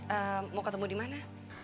mas mau ketemu dimana